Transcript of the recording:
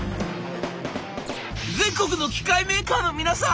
「全国の機械メーカーの皆さん！